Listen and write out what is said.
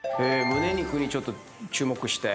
むね肉にちょっと注目して。